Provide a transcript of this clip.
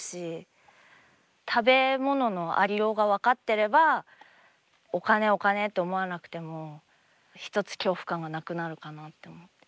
食べ物のありようが分かってればお金お金と思わなくても一つ恐怖感がなくなるかなって思って。